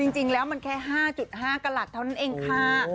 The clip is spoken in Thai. จริงแล้วมันแค่๕๕กระหลัดเท่านั้นเองค่ะ